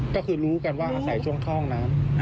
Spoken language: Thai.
ก็คือรู้กันว่าใส่ช่วงเข้าห้องน้ำ